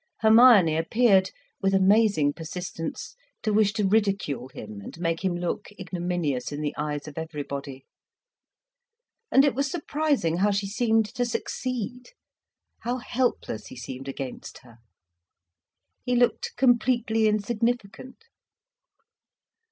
Hermione appeared, with amazing persistence, to wish to ridicule him and make him look ignominious in the eyes of everybody. And it was surprising how she seemed to succeed, how helpless he seemed against her. He looked completely insignificant.